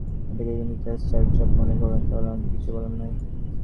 এটাকে যদি স্যার চাপ মনে করেন, তাহলে আমাদের কিছু বলার নেই।